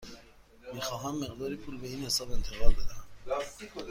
می خواهم مقداری پول به این حساب انتقال بدهم.